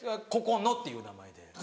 ココノっていう名前で。